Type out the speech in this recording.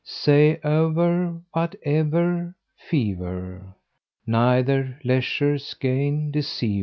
Say aver, but ever, fever, Neither, leisure, skein, receiver.